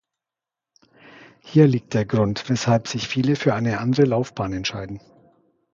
Hier liegt der Grund, weshalb viele sich für eine andere Laufbahn entscheiden.